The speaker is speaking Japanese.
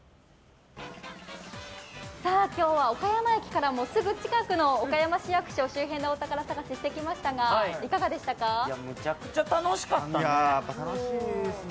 今日は岡山駅からもすぐ近くの岡山市役所周辺でお宝探しをしてきましたがめちゃくちゃ楽しかったね。